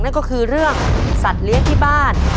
นั่นก็คือเรื่องสัตว์เลี้ยงที่บ้าน